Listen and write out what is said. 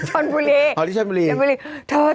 วันนี้แช่นบุเรน